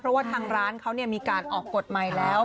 เพราะว่าทางร้านเขามีการออกกฎใหม่แล้ว